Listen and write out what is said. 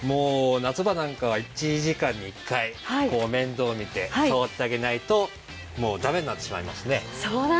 夏場なんかは１時間に１回面倒を見て触ってあげないと駄目になってしまいますね。